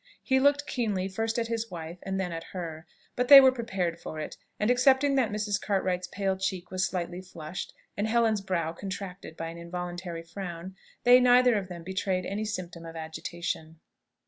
He looked keenly first at his wife, and then at her; but they were prepared for it; and excepting that Mrs. Cartwright's pale cheek was slightly flushed, and Helen's brow contracted by an involuntary frown, they neither of them betrayed any symptom of agitation.